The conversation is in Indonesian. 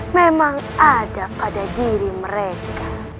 memang ada pada diri mereka